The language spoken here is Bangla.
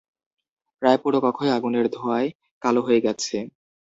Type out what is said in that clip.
প্রায় পুরো কক্ষই আগুনের ধোঁয়ায় কালো হয়ে গেছে।